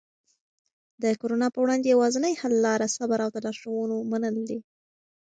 د کرونا په وړاندې یوازینی حل لاره صبر او د لارښوونو منل دي.